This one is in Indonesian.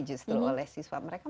justru oleh siswa mereka